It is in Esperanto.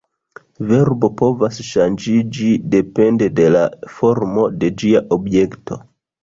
Verbo povas ŝanĝiĝi depende de la formo de ĝia objekto.